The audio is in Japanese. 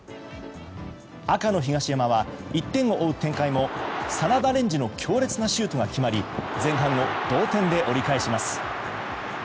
赤の東山は１点を追う展開も真田蓮司の強烈なシュートが決まり前半を同点で折り返します。